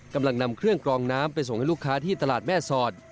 กำลังนำเครื่องกรองน้ำไปส่งให้ลูกค้าที่ตลาดแม่สอด